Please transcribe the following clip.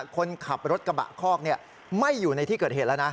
คนขับรถกระบะคอกไม่อยู่ในที่เกิดเหตุแล้วนะ